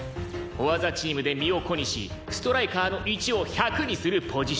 「フォアザチーム」で身を粉にしストライカーの１を１００にするポジション。